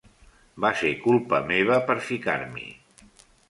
Va ser culpa meva per ficar-m'hi.